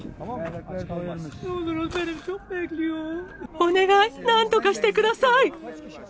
お願い、なんとかしてください。